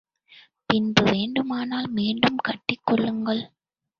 பின்பு வேண்டுமானால் மீண்டும் கட்டிக் கொள்ளுங்கள்.